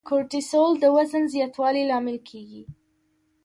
کورټیسول د وزن زیاتوالي لامل کېږي.